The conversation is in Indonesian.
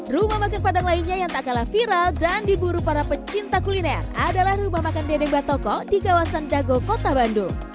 rumah makan padang lainnya yang tak kalah viral dan diburu para pecinta kuliner adalah rumah makan dendeng batoko di kawasan dago kota bandung